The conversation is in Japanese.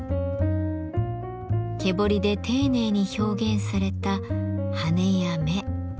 蹴彫りで丁寧に表現された羽や目。